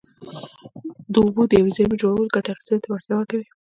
د اوبو د یوې زېرمې جوړول ګټه اخیستنې ته وړتیا ورکوي.